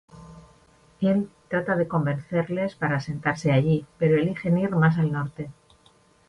Él trata de convencerles para asentarse allí, pero eligen ir más al norte.